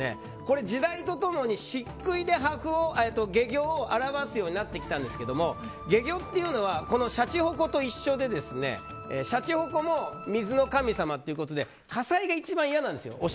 時代と共に漆喰で懸魚を表すようになっていったんですが懸魚というのはしゃちほこと一緒でしゃちほこも水の神様ということでお城って火災が一番嫌なんですよ。